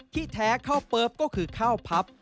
แท้ข้าวเปิ๊บก็คือข้าวพับ